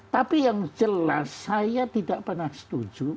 tapi yang jelas saya tidak pernah setuju